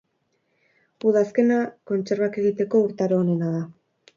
Udazkena kontserbak egiteko urtaro onena da.